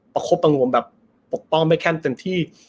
ประคบประงวมแบบปกป้องเบคแคมเต็มที่